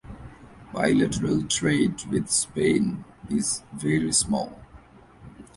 Bilateral trade with Spain is very small.